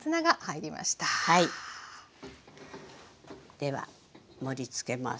では盛りつけます。